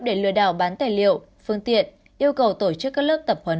để lừa đảo bán tài liệu phương tiện yêu cầu tổ chức các lớp tập huấn